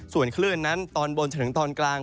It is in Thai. ส่วนคลื่นนั้นตอนบนจนถึงตอนกลาง